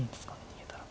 逃げたら。